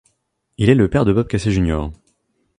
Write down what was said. Il est le père de Bob Casey, Jr.